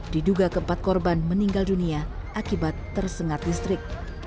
diduga keempat korban meninggal dunia akibat tersengat listrik